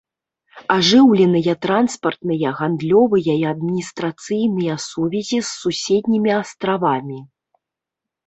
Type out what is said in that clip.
Ажыўленыя транспартныя, гандлёвыя і адміністрацыйныя сувязі з суседнімі астравамі.